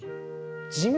地味？